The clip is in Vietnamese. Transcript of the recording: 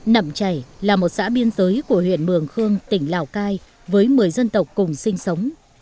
nẩm chảy là một xã biên giới của huyện mường khương tỉnh lào cai với một mươi dân tộc cùng sinh sống